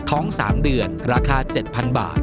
ท้อง๓เดือนราคา๗๐๐บาท